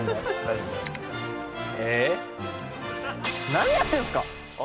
何やってんすか